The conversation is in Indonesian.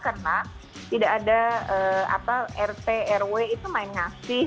karena tidak ada apa rt rw itu main ngasih